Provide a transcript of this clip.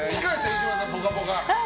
飯島さん「ぽかぽか」。